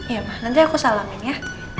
iya nanti aku salamin ya